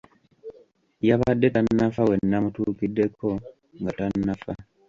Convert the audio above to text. Yabadde tannafa we namutuukiddeko, nga tannafa.